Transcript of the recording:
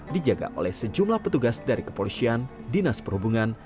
dijaga oleh sejumlah petugas dari kepolisian dinas perhubungan